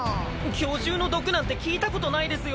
巨獣の毒なんて聞いたことないですよ。